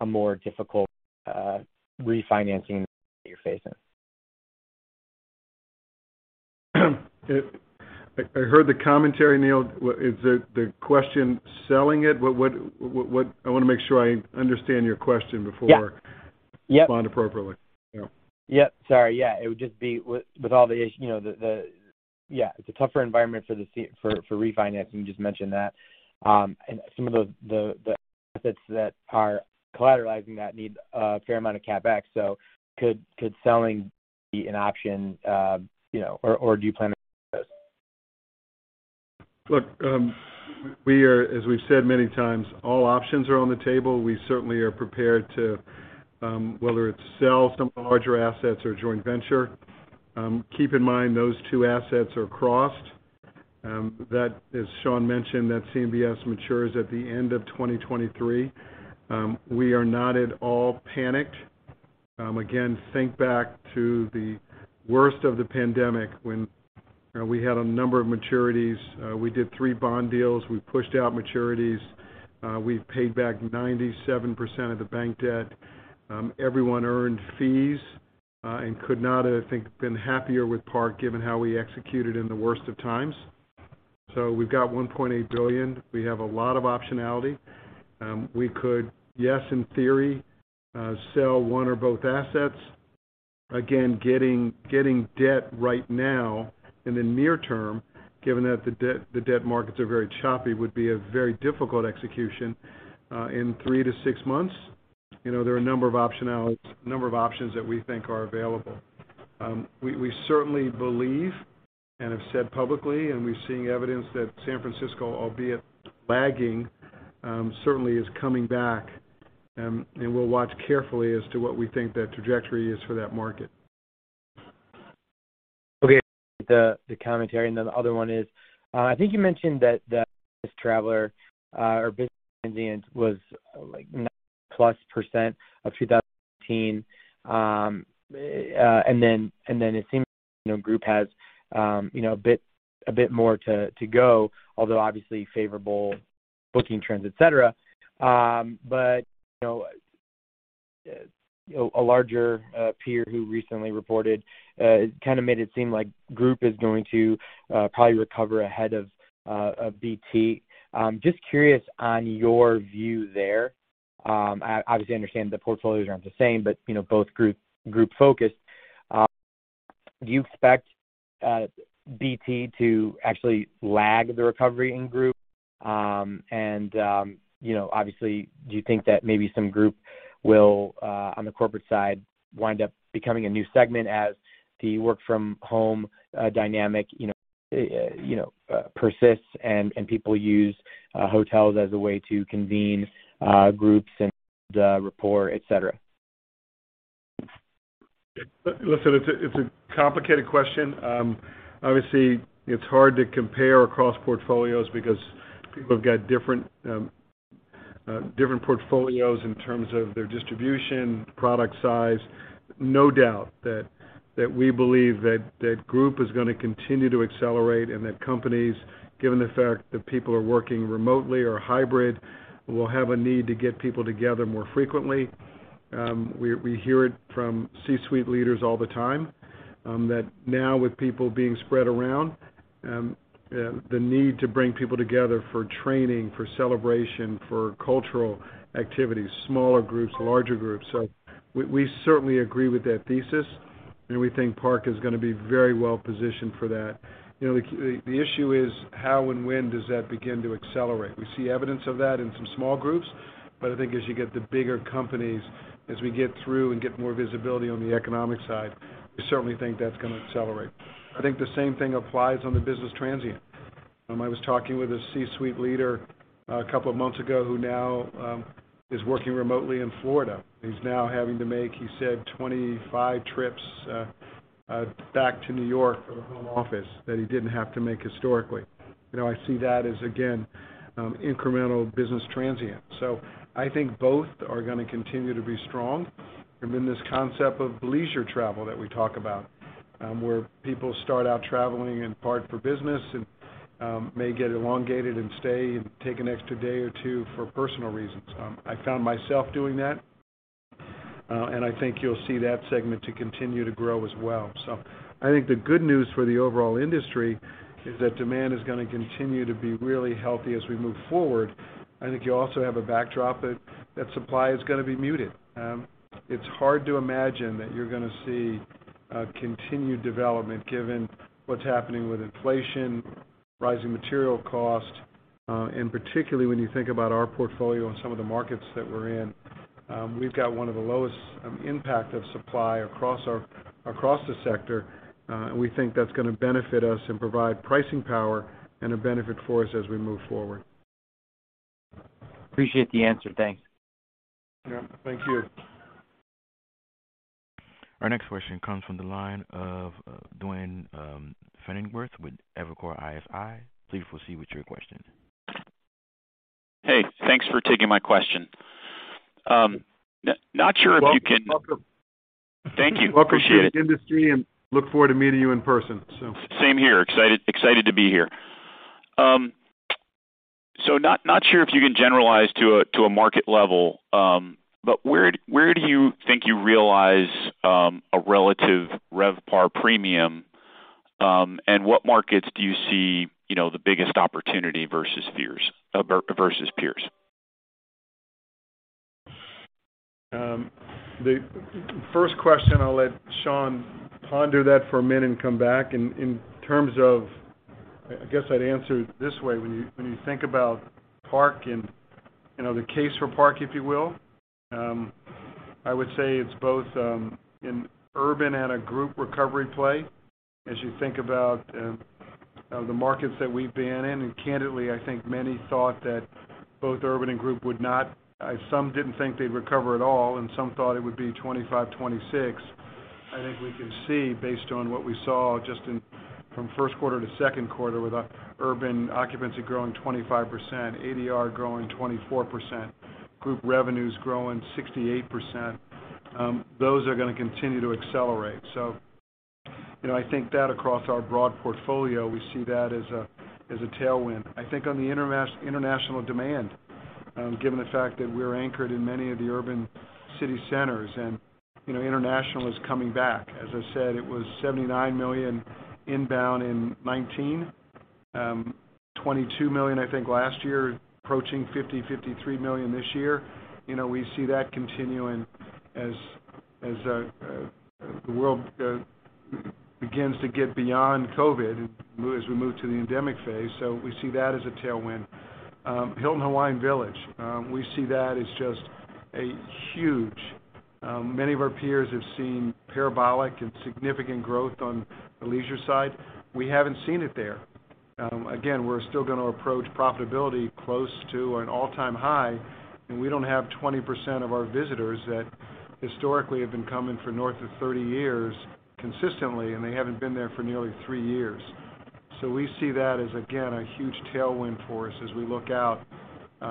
a more difficult refinancing that you're facing. I heard the commentary, Neil. Is the question selling it? I wanna make sure I understand your question before- Yeah. Yep. Respond appropriately. Yeah. Yep. Sorry. Yeah. It would just be with all the issues, you know. Yeah, it's a tougher environment for the CMBS refinancing, just mentioned that. Some of the assets that are collateralizing that need a fair amount of CapEx. Could selling be an option, you know, or do you plan to? Look, we are as we've said many times, all options are on the table. We certainly are prepared to, whether it's sell some larger assets or a joint venture. Keep in mind, those two assets are crossed. That, as Sean mentioned, CMBS matures at the end of 2023. We are not at all panicked. Again, think back to the worst of the pandemic when, you know, we had a number of maturities. We did three bond deals. We pushed out maturities. We've paid back 97% of the bank debt. Everyone earned fees, and could not, I think, been happier with Park given how we executed in the worst of times. We've got $1.8 billion. We have a lot of optionality. We could, yes, in theory, sell one or both assets. Again, getting debt right now in the near term, given that the debt markets are very choppy would be a very difficult execution. In three to six months, you know, there are a number of optionalities, a number of options that we think are available. We certainly believe and have said publicly, and we're seeing evidence that San Francisco, albeit lagging, certainly is coming back, and we'll watch carefully as to what we think that trajectory is for that market. Okay. The commentary and then the other one is, I think you mentioned that the traveler or business transient was like 90%+ of 2018. It seems you know group has you know a bit more to go although obviously favorable booking trends, et cetera. You know a larger peer who recently reported kinda made it seem like group is going to probably recover ahead of BT. Just curious on your view there. I obviously understand the portfolios aren't the same but you know both group focused. Do you expect BT to actually lag the recovery in group? You know, obviously, do you think that maybe some group will, on the corporate side, wind up becoming a new segment as the work from home dynamic, you know, you know, persists and people use, hotels as a way to convene, groups and rapport, et cetera.? Yeah. Listen, it's a complicated question. Obviously, it's hard to compare across portfolios because people have got different portfolios in terms of their distribution, product size. No doubt that we believe that group is gonna continue to accelerate and that companies, given the fact that people are working remotely or hybrid, will have a need to get people together more frequently. We hear it from C-suite leaders all the time, that now with people being spread around, the need to bring people together for training, for celebration, for cultural activities, smaller groups, larger groups. We certainly agree with that thesis, and we think Park is gonna be very well positioned for that. You know, the issue is how and when does that begin to accelerate? We see evidence of that in some small groups, but I think as you get the bigger companies, as we get through and get more visibility on the economic side, we certainly think that's gonna accelerate. I think the same thing applies on the business transient. I was talking with a C-suite leader a couple of months ago who now, is working remotely in Florida. He's now having to make, he said, 25 trips, back to New York for the home office that he didn't have to make historically. You know, I see that as, again, incremental business transient. I think both are gonna continue to be strong. This concept of leisure travel that we talk about, where people start out traveling in part for business and may get elongated and stay and take an extra day or two for personal reasons. I found myself doing that, and I think you'll see that segment to continue to grow as well. I think the good news for the overall industry is that demand is gonna continue to be really healthy as we move forward. I think you also have a backdrop that supply is gonna be muted. It's hard to imagine that you're gonna see continued development given what's happening with inflation, rising material costs, and particularly when you think about our portfolio and some of the markets that we're in. We've got one of the lowest impact of supply across our across the sector. We think that's gonna benefit us and provide pricing power and a benefit for us as we move forward. Appreciate the answer. Thanks. Yeah. Thank you. Our next question comes from the line of Duane Pfennigwerth with Evercore ISI. Please proceed with your question. Hey, thanks for taking my question. Not sure if you can. Welcome. Thank you. Appreciate it. Welcome to the industry, and look forward to meeting you in person soon. Same here. Excited to be here. Not sure if you can generalize to a market level, but where do you think you realize a relative RevPAR premium, and what markets do you see, you know, the biggest opportunity versus peers? The first question, I'll let Sean ponder that for a minute and come back. In terms of I guess I'd answer it this way. When you think about Park and, you know, the case for Park, if you will, I would say it's both, in urban and a group recovery play. As you think about the markets that we've been in, and candidly, I think many thought that both urban and group would not. Some didn't think they'd recover at all, and some thought it would be 2025, 2026. I think we can see, based on what we saw from first quarter to second quarter with urban occupancy growing 25%, ADR growing 24%, group revenues growing 68%, those are gonna continue to accelerate. You know, I think that across our broad portfolio, we see that as a tailwind. I think on the international demand, given the fact that we're anchored in many of the urban city centers and, you know, international is coming back. As I said, it was $79 million inbound in 2019, $22 million, I think last year, approaching $53 million this year. You know, we see that continuing as the world begins to get beyond COVID and as we move to the endemic phase. We see that as a tailwind. Hilton Hawaiian Village, we see that as just a huge. Many of our peers have seen parabolic and significant growth on the leisure side. We haven't seen it there. Again, we're still gonna approach profitability close to an all-time high, and we don't have 20% of our visitors that historically have been coming for north of 30 years consistently, and they haven't been there for nearly three years. We see that as, again, a huge tailwind for us as we look out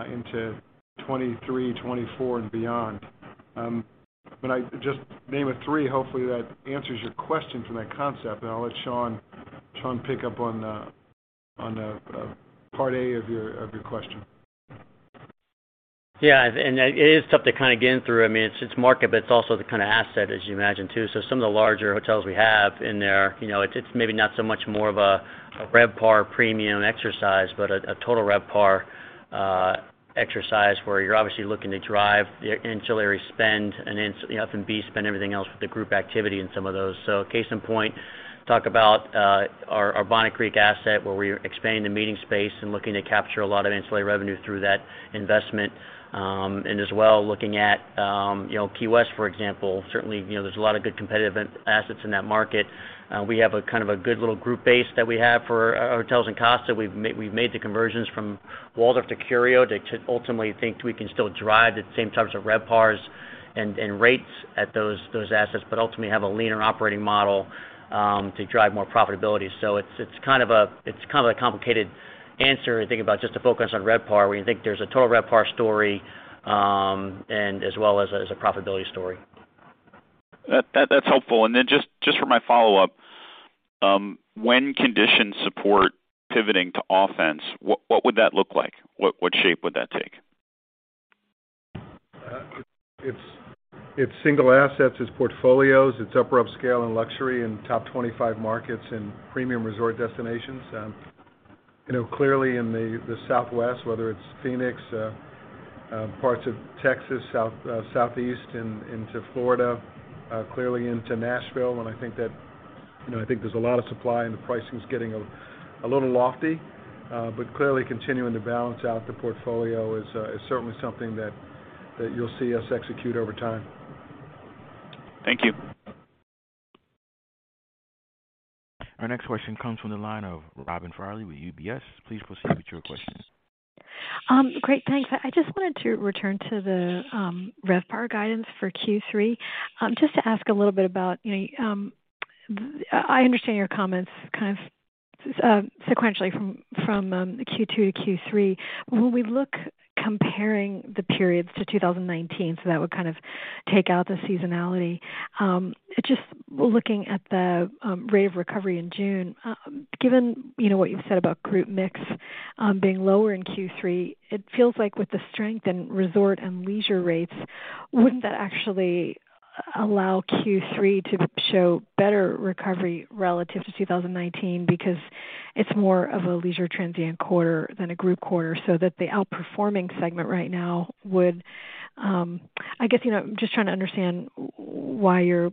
into 2023, 2024 and beyond. I just named three. Hopefully, that answers your question from that concept, and I'll let Sean pick up on part A of your question. That is tough to kinda get in through. I mean, it's market, but it's also the kind of asset as you imagine too. Some of the larger hotels we have in there, you know, it's maybe not so much more of a RevPAR premium exercise, but a total RevPAR exercise where you're obviously looking to drive the ancillary spend and then, you know, F&B spend, everything else with the group activity in some of those. Case in point, talk about our Bonnet Creek asset where we're expanding the meeting space and looking to capture a lot of ancillary revenue through that investment. Looking at Key West, for example. Certainly, you know, there's a lot of good competitive assets in that market. We have a kind of a good little group base that we have for our hotels in Casa. We've made the conversions from Waldorf to Curio to ultimately think we can still drive the same types of RevPARs and rates at those assets, but ultimately have a leaner operating model to drive more profitability. It's kind of a complicated answer to think about just to focus on RevPAR, where you think there's a total RevPAR story, and as well as a profitability story. That's helpful. Then just for my follow-up, when conditions support pivoting to offense, what would that look like? What shape would that take? It's single assets, it's portfolios, it's upper upscale and luxury and top 25 markets and premium resort destinations. You know, clearly in the Southwest, whether it's Phoenix, parts of Texas, South, Southeast into Florida, clearly into Nashville. I think you know, there's a lot of supply and the pricing is getting a little lofty. Clearly continuing to balance out the portfolio is certainly something that you'll see us execute over time. Thank you. Our next question comes from the line of Robin Farley with UBS. Please proceed with your question. Great. Thanks. I just wanted to return to the RevPAR guidance for Q3, just to ask a little bit about, you know, I understand your comments kind of sequentially from Q2 to Q3. When we look comparing the periods to 2019, so that would kind of take out the seasonality, just looking at the rate of recovery in June, given, you know, what you've said about group mix, being lower in Q3, it feels like with the strength in resort and leisure rates, wouldn't that actually allow Q3 to show better recovery relative to 2019? Because it's more of a leisure transient quarter than a group quarter, so that the outperforming segment right now would. I guess, you know, I'm just trying to understand why you're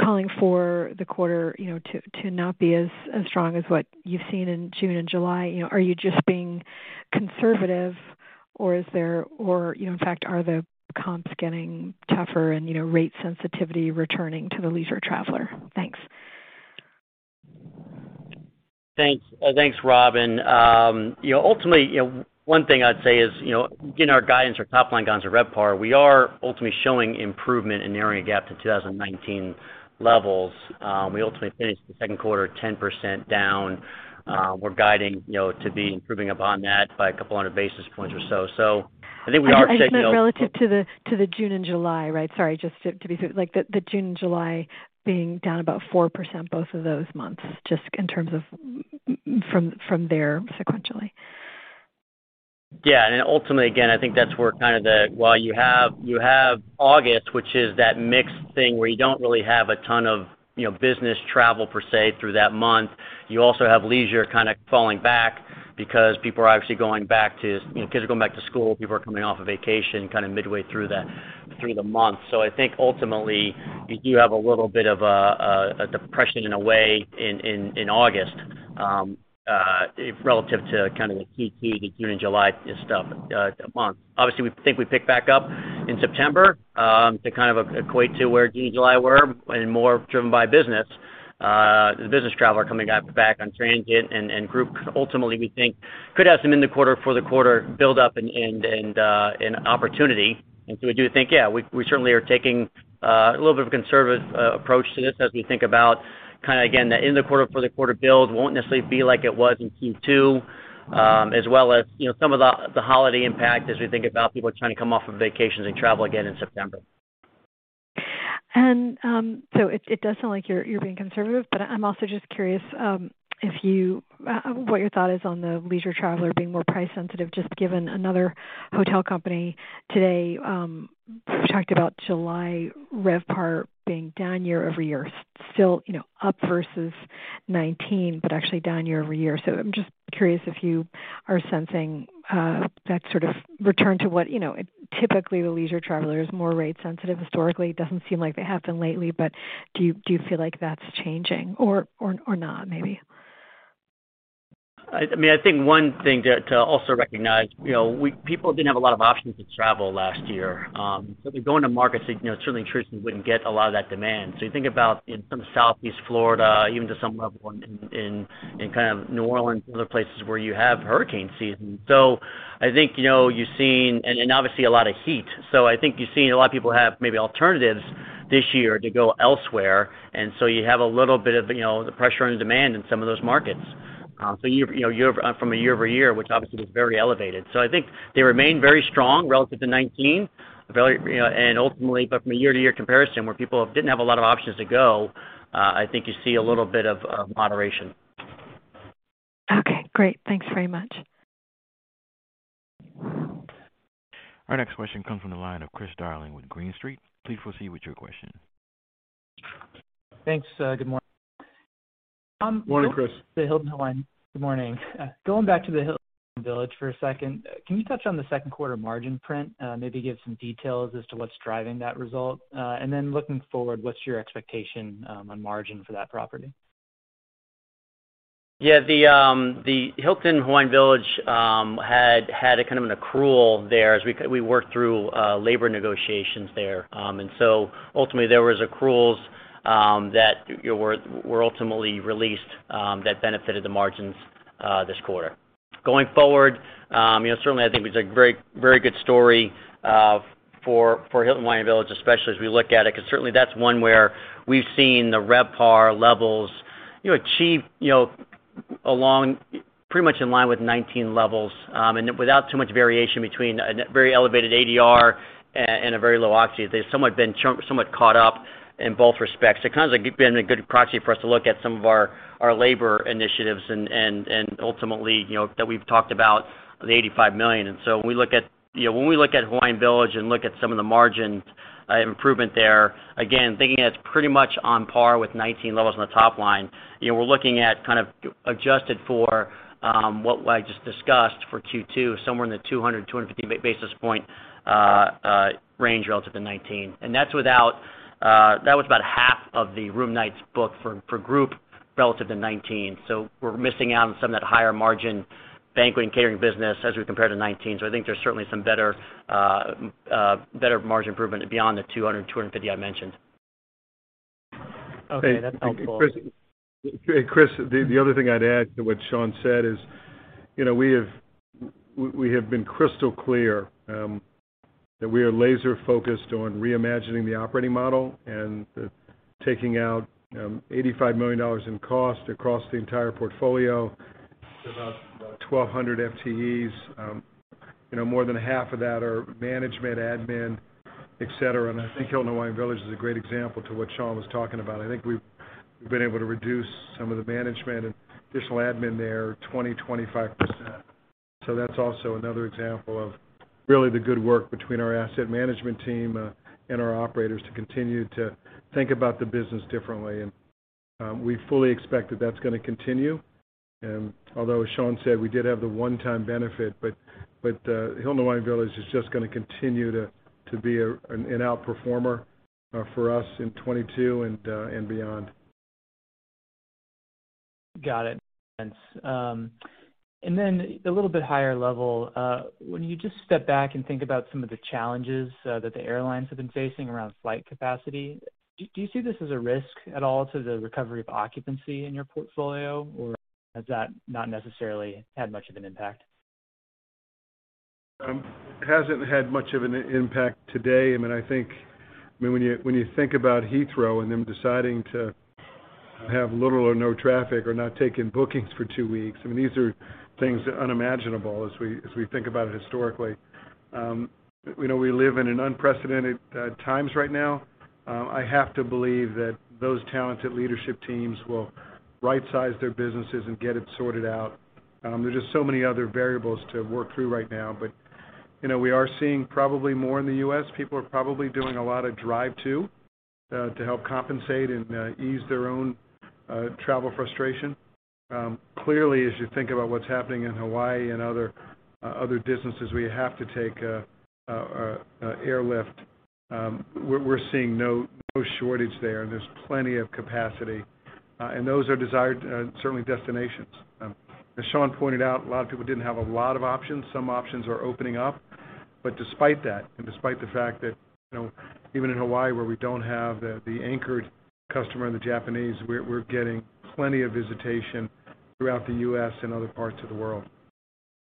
calling for the quarter, you know, to not be as strong as what you've seen in June and July. You know, are you just being conservative or is there or, you know, in fact, are the comps getting tougher and, you know, rate sensitivity returning to the leisure traveler? Thanks. Thanks. Thanks, Robin. You know, ultimately, one thing I'd say is, you know, in our guidance or top line guidance or RevPAR, we are ultimately showing improvement in narrowing a gap to 2019 levels. We ultimately finished the second quarter 10% down. We're guiding, you know, to be improving upon that by a couple hundred basis points or so. I think we are seeing, you know- I just meant relative to the June and July, right? Sorry, just to be clear. Like, the June and July being down about 4% both of those months, just in terms of from there sequentially. Yeah. Ultimately, again, I think that's where kind of while you have August, which is that mixed thing where you don't really have a ton of, you know, business travel per se through that month. You also have leisure kind of falling back because people are obviously going back to, you know, kids are going back to school, people are coming off a vacation kind of midway through the month. I think ultimately, you do have a little bit of a depression in a way in August relative to kind of the key June and July months. Obviously, we think we pick back up in September to kind of equate to where June and July were and more driven by business. The business traveler coming up back on transient and group. Ultimately, we think could have some in the quarter for the quarter buildup and opportunity. We do think, yeah, we certainly are taking a little bit of a conservative approach to this as we think about kind of again, the in the quarter for the quarter build won't necessarily be like it was in Q2. As well as, you know, some of the holiday impact as we think about people trying to come off of vacations and travel again in September. It does sound like you're being conservative, but I'm also just curious what your thought is on the leisure traveler being more price-sensitive, just given another hotel company today talked about July RevPAR being down year-over-year. Still, you know, up versus 2019, but actually down year-over-year. I'm just curious if you are sensing that sort of return to what, you know, typically the leisure traveler is more rate-sensitive historically. It doesn't seem like they have been lately, but do you feel like that's changing or not, maybe? I mean, I think one thing to also recognize, you know, people didn't have a lot of options to travel last year. They're going to markets that, you know, certainly in truth, we wouldn't get a lot of that demand. You think about in some Southeast Florida, even to some level in kind of New Orleans and other places where you have hurricane season. I think, you know, you've seen, and obviously, a lot of heat. I think you've seen a lot of people have maybe alternatives this year to go elsewhere. You have a little bit of, you know, the pressure on demand in some of those markets. Year-over-year, which obviously was very elevated. I think they remain very strong relative to 2019, you know, and ultimately, but from a year-to-year comparison where people didn't have a lot of options to go, I think you see a little bit of moderation. Okay, great. Thanks very much. Our next question comes from the line of Chris Darling with Green Street. Please proceed with your question. Thanks. Good morning. Morning, Chris. The Hilton Hawaiian. Good morning. Going back to the Hilton Hawaiian Village for a second, can you touch on the second quarter margin print? Maybe give some details as to what's driving that result. Looking forward, what's your expectation on margin for that property? Yeah. The Hilton Hawaiian Village had a kind of an accrual there as we worked through labor negotiations there. Ultimately, there was accruals that you know were ultimately released that benefited the margins this quarter. Going forward, you know, certainly I think it's a very, very good story for Hilton Hawaiian Village, especially as we look at it, because certainly that's one where we've seen the RevPAR levels you know achieve along pretty much in line with 2019 levels and without too much variation between a very elevated ADR and a very low occupancy. They've somewhat caught up in both respects. It kind of like been a good proxy for us to look at some of our labor initiatives and ultimately, you know, that we've talked about the $85 million. When we look at Hawaiian Village and look at some of the margin improvement there, again, thinking it's pretty much on par with 2019 levels on the top line. You know, we're looking at kind of adjusted for what I just discussed for Q2, somewhere in the 200-250 basis point range relative to 2019. That's without that was about half of the room nights booked for group relative to 2019. We're missing out on some of that higher margin banquet and catering business as we compare to 2019. I think there's certainly some better margin improvement beyond the 200-250 I mentioned. Okay. That's helpful. Chris, the other thing I'd add to what Sean said is, you know, we have been crystal clear that we are laser focused on reimagining the operating model and taking out $85 million in cost across the entire portfolio to about 1,200 FTEs. You know, more than half of that are management, admin, et cetera. I think Hilton Hawaiian Village is a great example of what Sean was talking about. I think we've been able to reduce some of the management and additional admin there 20%-25%. That's also another example of really the good work between our asset management team and our operators to continue to think about the business differently. We fully expect that that's gonna continue. Although, as Sean said, we did have the one-time benefit. Hilton Hawaiian Village is just gonna continue to be an outperformer for us in 2022 and beyond. Got it. Thanks. A little bit higher level, when you just step back and think about some of the challenges that the airlines have been facing around flight capacity, do you see this as a risk at all to the recovery of occupancy in your portfolio, or has that not necessarily had much of an impact? Hasn't had much of an impact today. I mean, when you think about Heathrow and them deciding to have little or no traffic or not taking bookings for two weeks, I mean, these are things unimaginable as we think about it historically. You know, we live in an unprecedented times right now. I have to believe that those talented leadership teams will right size their businesses and get it sorted out. There are just so many other variables to work through right now. You know, we are seeing probably more in the U.S., people are probably doing a lot of drive to help compensate and ease their own travel frustration. Clearly, as you think about what's happening in Hawaii and other destinations, we have to take airlift. We're seeing no shortage there, and there's plenty of capacity. Those are desired, certainly, destinations. As Sean pointed out, a lot of people didn't have a lot of options. Some options are opening up. Despite that, and despite the fact that, you know, even in Hawaii, where we don't have the anchored customer and the Japanese, we're getting plenty of visitation throughout the U.S. and other parts of the world.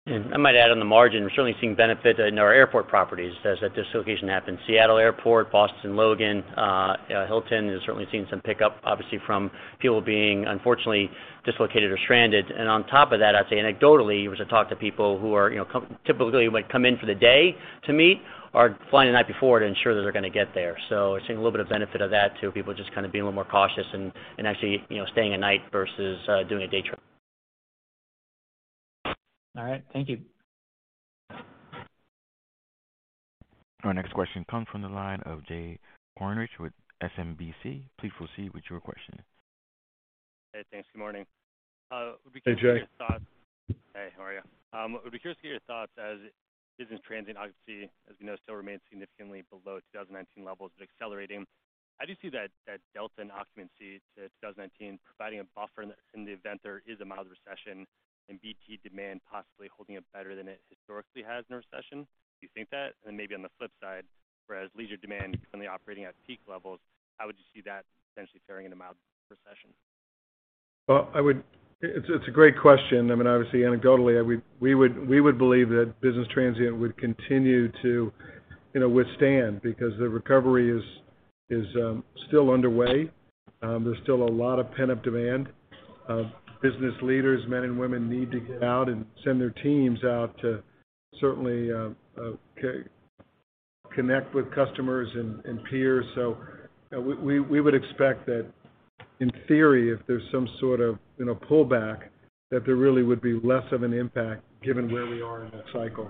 I might add on the margin, we're certainly seeing benefit in our airport properties as that dislocation happened. Seattle Airport, Boston Logan, Hilton is certainly seeing some pickup, obviously from people being unfortunately dislocated or stranded. On top of that, I'd say anecdotally, we've talked to people who are, you know, typically might come in for the day to meet are flying the night before to ensure that they're gonna get there. We're seeing a little bit of benefit of that too. People just kind of being a little more cautious and actually, you know, staying a night versus doing a day trip. All right. Thank you. Our next question comes from the line of Jay Kornreich with SMBC. Please proceed with your question. Hey, thanks. Good morning. Would be curious- Hey, Jay. Hey, how are you? Would be curious to get your thoughts on business transient occupancy, as we know, still remains significantly below 2019 levels, but accelerating. How do you see that delta in occupancy to 2019 providing a buffer in the event there is a mild recession and BT demand possibly holding up better than it historically has in a recession? Do you think that? Maybe on the flip side, whereas leisure demand currently operating at peak levels, how would you see that potentially faring in a mild recession? Well, it's a great question. I mean, obviously anecdotally, we would believe that business transient would continue to, you know, withstand because the recovery is still underway. There's still a lot of pent-up demand. Business leaders, men and women need to get out and send their teams out to certainly connect with customers and peers. We would expect that in theory, if there's some sort of, you know, pullback, that there really would be less of an impact given where we are in that cycle.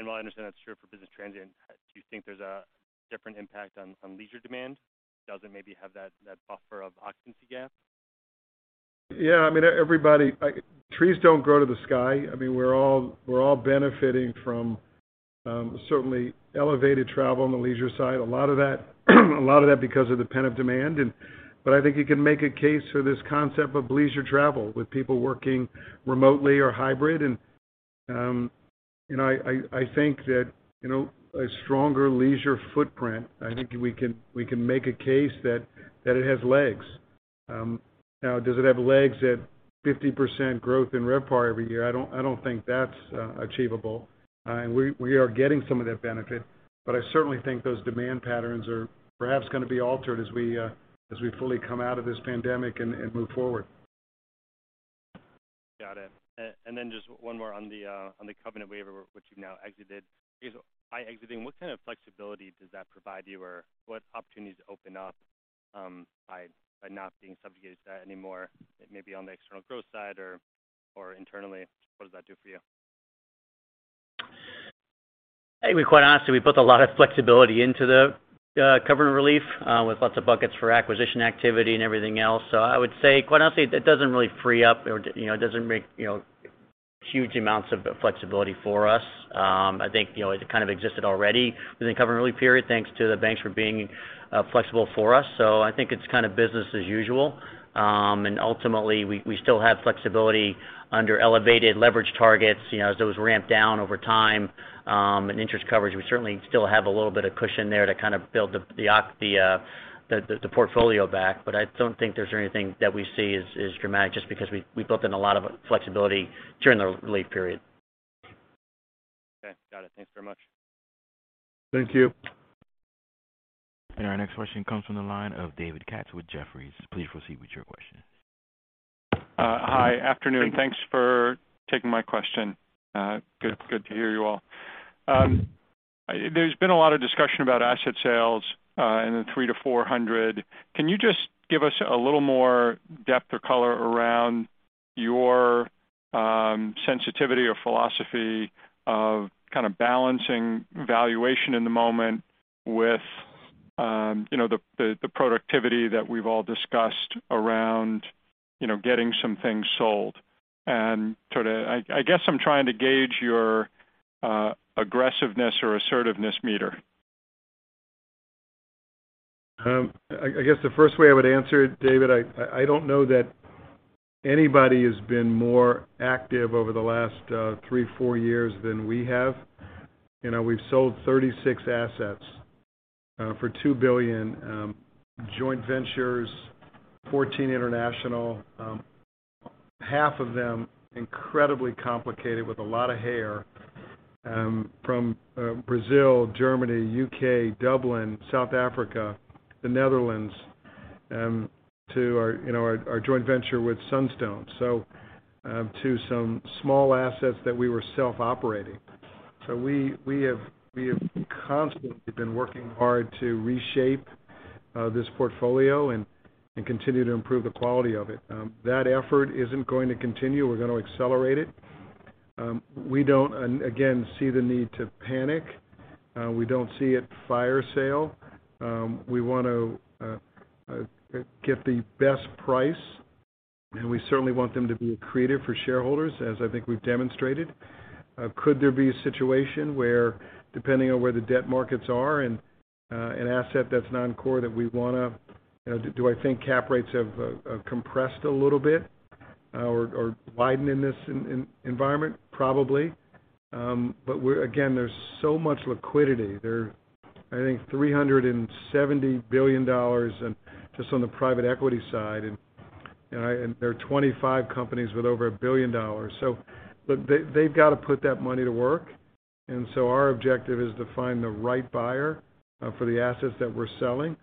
While I understand that's true for business transient, do you think there's a different impact on leisure demand? Does it maybe have that buffer of occupancy gap? Yeah. I mean, everybody, trees don't grow to the sky. I mean, we're all benefiting from certainly elevated travel on the leisure side. A lot of that because of the pent-up demand. I think you can make a case for this concept of leisure travel with people working remotely or hybrid. You know, I think that, you know, a stronger leisure footprint. I think we can make a case that it has legs. Now, does it have legs at 50% growth in RevPAR every year? I don't think that's achievable. We are getting some of that benefit, but I certainly think those demand patterns are perhaps gonna be altered as we fully come out of this pandemic and move forward. Got it. Just one more on the covenant waiver, which you've now exited. I guess, by exiting, what kind of flexibility does that provide you, or what opportunities open up, by not being subjected to that anymore, maybe on the external growth side or internally? What does that do for you? I think quite honestly, we put a lot of flexibility into the covenant relief with lots of buckets for acquisition activity and everything else. I would say, quite honestly, it doesn't really free up or, you know, it doesn't make, you know, huge amounts of flexibility for us. I think, you know, it kind of existed already within the covenant relief period, thanks to the banks for being flexible for us. I think it's kind of business as usual. Ultimately, we still have flexibility under elevated leverage targets. You know, as those ramp down over time, and interest coverage, we certainly still have a little bit of cushion there to kind of build the portfolio back. I don't think there's anything that we see as dramatic just because we built in a lot of flexibility during the relief period. Thanks very much. Thank you. Our next question comes from the line of David Katz with Jefferies. Please proceed with your question. Hi. Afternoon. Thanks for taking my question. Good to hear you all. There's been a lot of discussion about asset sales in the $300 million-$400 million. Can you just give us a little more depth or color around your sensitivity or philosophy of kinda balancing valuation in the moment with you know the productivity that we've all discussed around you know getting some things sold? Sorta I guess I'm trying to gauge your aggressiveness or assertiveness meter. I guess the first way I would answer it, David. I don't know that anybody has been more active over the last three or four years than we have. You know, we've sold 36 assets for $2 billion, joint ventures, 14 international, half of them incredibly complicated with a lot of hair, from Brazil, Germany, U.K., Dublin, South Africa, the Netherlands, to our, you know, our joint venture with Sunstone, to some small assets that we were self-operating. We have constantly been working hard to reshape this portfolio and continue to improve the quality of it. That effort is going to continue. We're gonna accelerate it. We don't, and again, see the need to panic. We don't see a fire sale. We wanna get the best price, and we certainly want them to be accretive for shareholders, as I think we've demonstrated. Could there be a situation where depending on where the debt markets are and an asset that's non-core that we wanna. You know, do I think cap rates have compressed a little bit or widened in this environment? Probably. Again, there's so much liquidity. There are, I think, $370 billion just on the private equity side, and, you know, and there are 25 companies with over $1 billion. So look, they've got to put that money to work. Our objective is to find the right buyer for the assets that we're selling.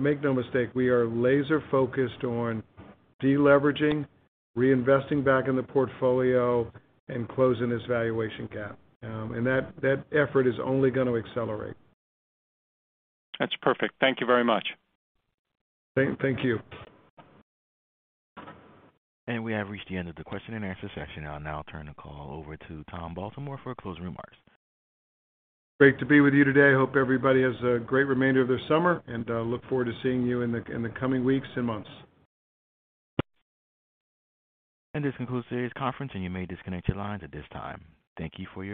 Make no mistake, we are laser focused on de-leveraging, reinvesting back in the portfolio and closing this valuation gap. That effort is only gonna accelerate. That's perfect. Thank you very much. Thank you. We have reached the end of the question and answer session. I'll now turn the call over to Tom Baltimore for closing remarks. Great to be with you today. Hope everybody has a great remainder of their summer, and look forward to seeing you in the coming weeks and months. This concludes today's conference, and you may disconnect your lines at this time. Thank you for your participation.